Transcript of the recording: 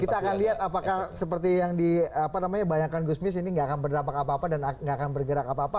kita akan lihat apakah seperti yang dibayangkan gusmis ini nggak akan berdampak apa apa dan gak akan bergerak apa apa